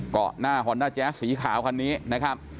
เกาะหน้าฮอนด้าแจ๊สสีขาวคันนี้นะครับ